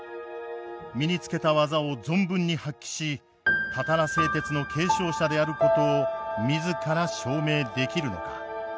身につけた技を存分に発揮したたら製鉄の継承者であることを自ら証明できるのか。